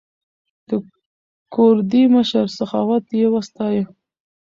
د کوردي مشر سخاوت یې وستایه.